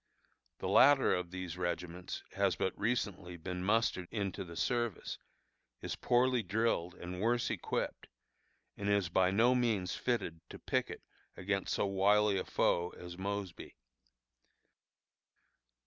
The latter of these regiments has but recently been mustered into the service, is poorly drilled and worse equipped, and is by no means fitted to picket against so wily a foe as Mosby.